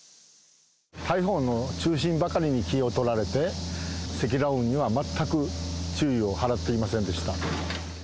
台風の中心ばかりに気を取られて、積乱雲には全く注意を払っていませんでした。